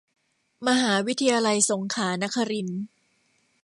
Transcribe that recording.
มหาวิทยาลัยสงขลานครินทร์